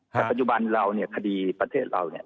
แต่ปัจจุบันเราเนี่ยคดีประเทศเราเนี่ย